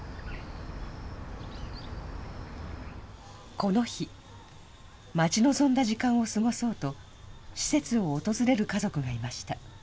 この日、待ち望んだ時間を過ごそうと、施設を訪れる家族がいました。